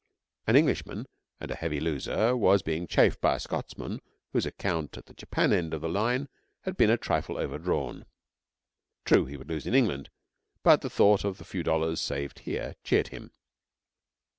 An Englishman and a heavy loser was being chaffed by a Scotchman whose account at the Japan end of the line had been a trifle overdrawn. True, he would lose in England, but the thought of the few dollars saved here cheered him.